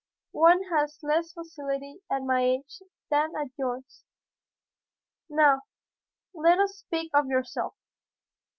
One has less facility at my age than at yours. Now, let us speak of yourself.